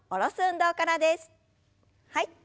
はい。